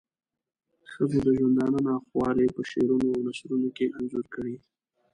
ښځو د ژوندانه ناخوالی په شعرونو او نثرونو کې انځور کړې.